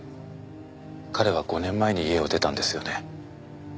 彼は５年前に家を出たんですよね？